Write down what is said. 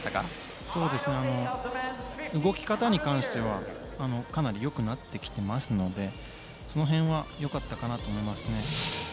動き方に関してはかなり良くなってきていますのでその辺はよかったかと思います。